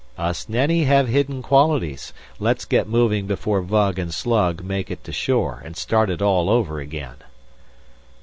"Us Nenni have hidden qualities. Let's get moving before Vug and Slug make it to shore and start it all over again."